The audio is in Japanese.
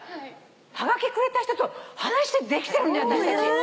はがきくれた人と話できてるんだよ私たち。